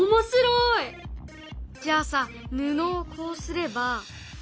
じゃあさ布をこうすれば。